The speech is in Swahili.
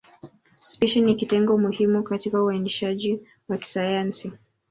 Spishi ni kitengo muhimu katika uainishaji wa kisayansi.